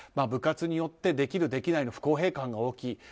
部活によってできる、できないの不公平感が大きい。